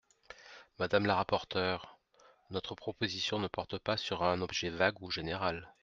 Madame la rapporteure, notre proposition ne porte pas sur un objet vague ou général.